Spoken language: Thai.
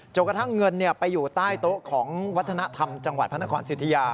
กระทั่งเงินไปอยู่ใต้โต๊ะของวัฒนธรรมจังหวัดพระนครสิทธิยา